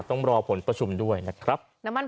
ต้องรอผลประชุมด้วยนะครับ